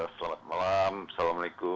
selamat malam assalamualaikum